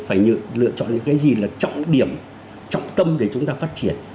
phải lựa chọn những cái gì là trọng điểm trọng tâm để chúng ta phát triển